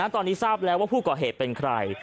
ตอนนี้ทราบแล้วว่าผู้ก่อเหตุเป็นใคร